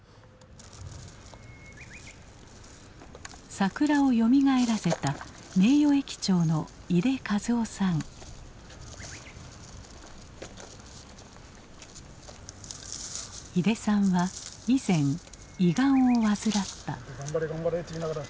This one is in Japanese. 桜をよみがえらせた名誉駅長の井手さんは以前胃がんを患った。